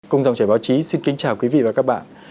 cùng dòng chảy báo chí xin kính chào quý vị và các bạn